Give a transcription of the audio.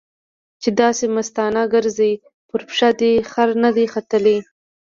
چې داسې مستانه ګرځې؛ پر پښه دې خر نه دی ختلی.